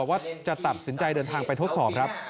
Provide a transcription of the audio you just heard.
ว่าจะตัดสินใจเดินทางไปทดสอบครับ